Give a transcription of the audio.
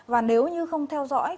và nếu như không theo dõi